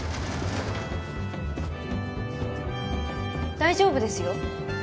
大丈夫ですよ。